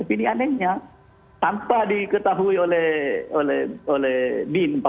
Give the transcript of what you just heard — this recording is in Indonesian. ini anehnya tanpa diketahui oleh bin